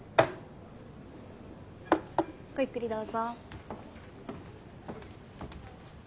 ごゆっくりどうぞ。